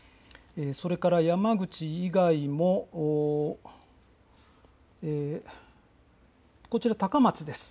それから山口以外もこちら、高松です。